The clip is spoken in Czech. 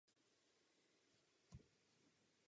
Pomocí tohoto manévru se snaží uniknout predátorům.